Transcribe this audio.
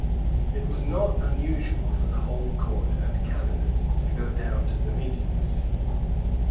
It was not unusual for the whole Court and Cabinet to go down to the meetings.